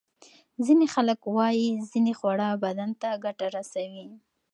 ځینې خلک وايي ځینې خواړه بدن ته ګټه رسوي.